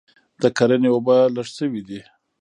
د کرني اوبه لږ سوي دي